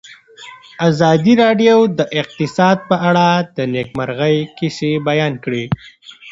ازادي راډیو د اقتصاد په اړه د نېکمرغۍ کیسې بیان کړې.